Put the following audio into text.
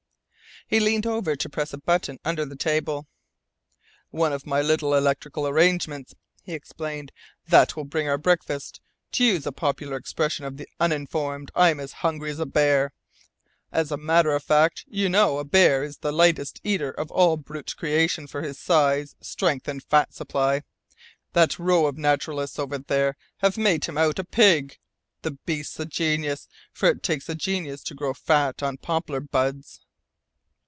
He leaned over to press a button under the table, "One of my little electrical arrangements," he explained. "That will bring our breakfast. To use a popular expression of the uninformed, I'm as hungry as a bear. As a matter of fact, you know, a bear is the lightest eater of all brute creation for his size, strength, and fat supply. That row of naturalists over there have made him out a pig. The beast's a genius, for it takes a genius to grow fat on poplar buds!"